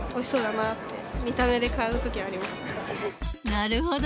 なるほど。